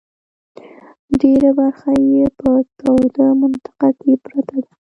ډېره برخه یې په توده منطقه کې پرته ده.